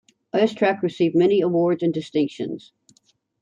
Oistrakh received many awards and distinctions.